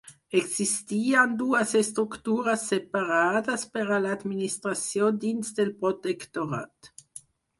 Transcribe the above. Existien dues estructures separades per a l'administració dins del protectorat.